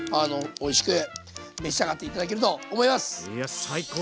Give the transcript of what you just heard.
おいしく召し上がって頂けると思います。